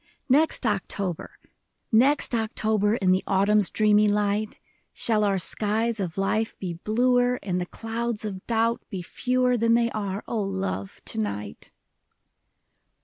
Next October, Next October, In the autumn's dreamy light. Shall our skies of life be bluer, And the clouds of doubt be fewer Than they are, O love, to night